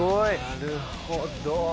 なるほど。